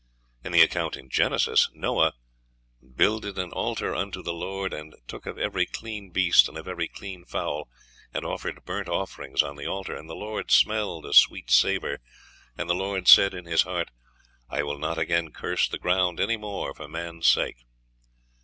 In the account in Genesis, Noah "builded an altar unto the Lord, and took of every clean beast, and of every clean fowl, and offered burnt offerings on the altar. And the Lord smelled a sweet savor; and the Lord said in his heart, 'I will not again curse the ground any more for man's sake.'"